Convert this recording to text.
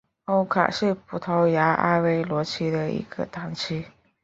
欧卡是葡萄牙阿威罗区的一个堂区。